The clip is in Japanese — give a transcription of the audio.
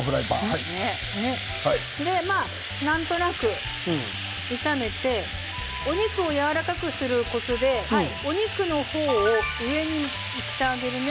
これでなんとなく炒めてお肉をやわらかくすることでお肉の方を上にしてあげるね。